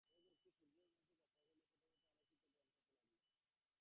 এক ব্যক্তি সূর্যের অভিমুখে যাত্রা করিল এবং প্রতি পদে সে আলোকচিত্র গ্রহণ করিতে লাগিল।